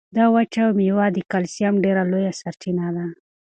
دا وچه مېوه د کلسیم ډېره لویه سرچینه ده.